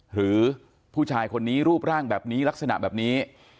หรือผู้ชายคนนี้รูปร่างแบบนี้ลักษณะแบบนี้